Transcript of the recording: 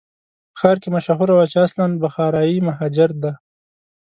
په ښار کې مشهوره وه چې اصلاً بخارایي مهاجر دی.